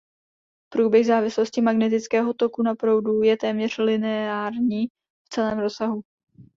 Průběh závislosti magnetického toku na proudu je téměř lineární v celém rozsahu.